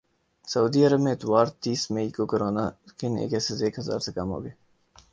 سعودی عرب میں اتوار تیس مئی کو کورونا کے نئے کیسز ایک ہزار سے کم ہوگئے